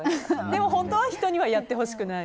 でも本当は人にはやってほしくない。